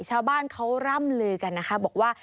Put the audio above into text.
ชาวบ้านเขาร่ำลือกันนะคะบอกว่า